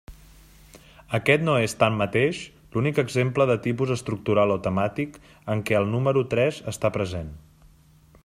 Aquest no és, tanmateix, l'únic exemple de tipus estructural o temàtic en què el número tres està present.